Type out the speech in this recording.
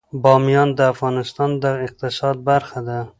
بامیان د افغانستان د اقتصاد برخه ده.